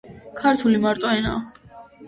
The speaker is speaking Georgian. ქართული მარტო ენაა